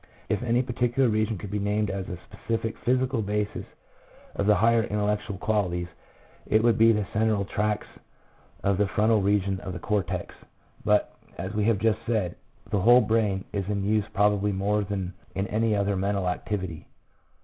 If any particular region could be named as the specific physical basis of the higher intellectual quali ties, it would be the central tracts of the frontal region of the cortex, 3 but, as we have just said, the whole brain is in use probably more than in any other mental activity.